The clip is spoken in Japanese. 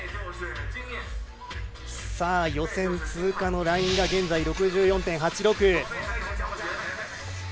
予選通過のラインが現在６４．８６。